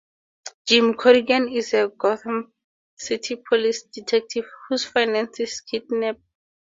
Jim Corrigan is a Gotham City Police Detective whose fiancee is kidnapped.